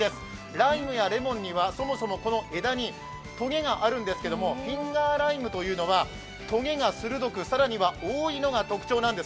ライムやレモンにはそもそも枝にとげがあるんですけども、フィンガーライムというのはとげが鋭く、更には多いのが特徴なんです。